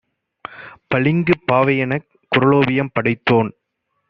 பளிங்குப் பாவையெனக் 'Kuraloviyam' படைத்தோன்